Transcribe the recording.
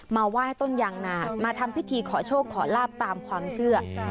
ไหว้ต้นยางนามาทำพิธีขอโชคขอลาบตามความเชื่อ